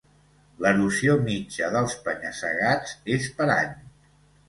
L"erosió mitja dels penya-segats és per any.